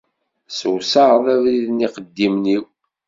Tessewsaɛeḍ abrid i yiqeddimen-iw.